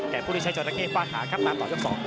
แต่ผู้ลิชัยเจ้าระเข้ฟาดหาครับมาต่อยก๒น